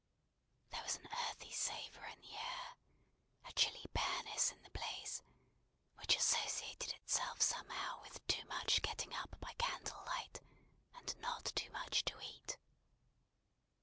There was an earthy savour in the air, a chilly bareness in the place, which associated itself somehow with too much getting up by candle light, and not too much to eat.